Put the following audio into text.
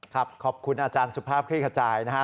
ครับขอบคุณอาจารย์สุภาพคลิกขจายนะครับ